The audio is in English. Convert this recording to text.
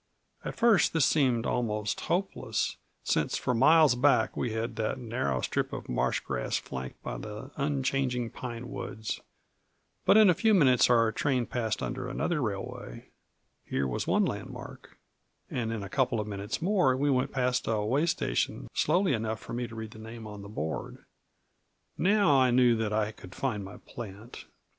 At first this seemed almost hopeless, since for miles back we had had that narrow strip of marsh grass flanked by the unchanging pine woods; but in a few minutes our road passed under another railway; here was one landmark, and in a couple of minutes more we went past a way station slowly enough for me to read the name on the board; now I knew that I could find my plant.